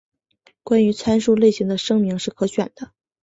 关于参数类型的声明是可选的。